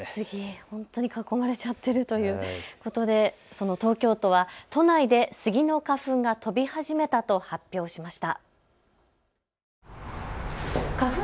本当に囲まれちゃっているということでその東京都は都内でスギの花粉が飛び始めたと発表しました。